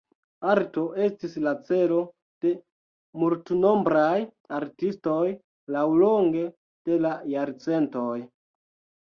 Arto estis la celo de multnombraj artistoj laŭlonge de la jarcentoj.